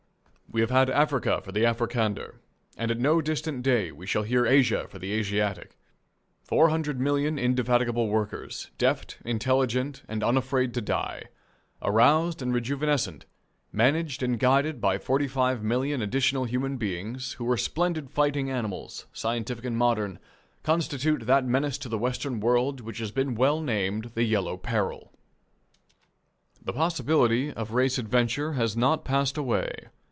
We have had Africa for the Afrikander, and at no distant day we shall hear "Asia for the Asiatic!" Four hundred million indefatigable workers (deft, intelligent, and unafraid to die), aroused and rejuvenescent, managed and guided by forty five million additional human beings who are splendid fighting animals, scientific and modern, constitute that menace to the Western world which has been well named the "Yellow Peril." The possibility of race adventure has not passed away.